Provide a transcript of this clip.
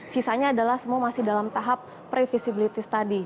sisanya adalah semua masih dalam tahap pre visibility studies